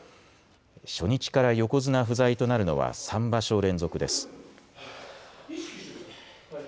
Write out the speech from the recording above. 初日から横綱不在となるのは３場所連続です。